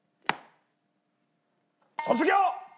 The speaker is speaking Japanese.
『卒業』！